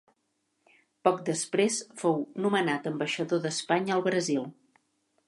Poc després fou nomenat ambaixador d'Espanya al Brasil.